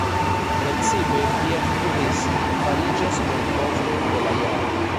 Precipe Pierre Brice fariĝas malkovro de la jaro.